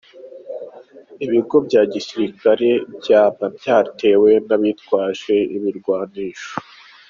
Ibigo vya gisirikare vyama vyatewe n'abitwaje ibigwanisho.